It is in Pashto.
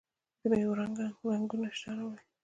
د میوو رنګونه اشتها راوړي.